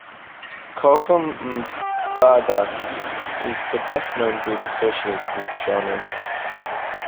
Kouchouam Mbada is the best known group associated with the genre.